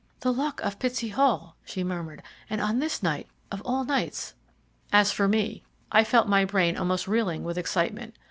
"The Luck of Pitsey Hall," she murmured, "and on this night of all nights!" As for me, I felt my brain almost reeling with excitement.